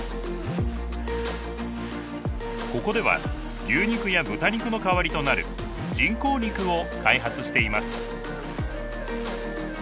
ここでは牛肉や豚肉の代わりとなる人工肉を開発しています。